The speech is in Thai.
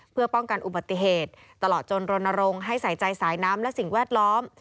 เพื่อป้องกันอุบัติเหตุตลอดจนรณรงค์ให้ใส่ใจสายน้ำและสิ่งแวดล้อม